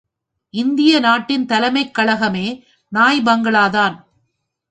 இந்திய நாட்டின் தலைமைக் கழகமே நாய்பங்களா தான்.